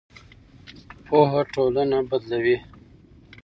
پوهه ټولنه بدلوي.